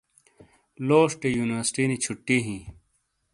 لوشٹے یونیورسٹی نی چھٹی ہی